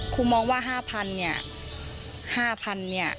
ครูมองว่า๕๐๐๐บาท